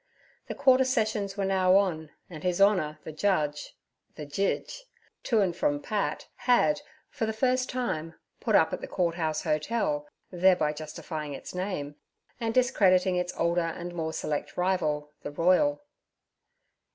The Quarter Sessions were now on, and His Honour the Judge—'the Jidge' to and from Pat—had, for the first time, put up at the Court House Hotel, thereby justifying its name, and discrediting its older and more select rival, the Royal.